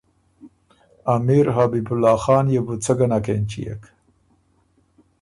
امیر حبیب الله خان يې بوڅۀ ګه نک اېنچيېک